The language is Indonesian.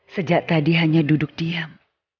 sejak tadi hanya duduk diam